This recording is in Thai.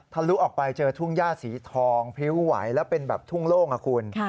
ลุออกไปเจอทุ่งย่าสีทองพริ้วไหวแล้วเป็นแบบทุ่งโล่งอะคุณ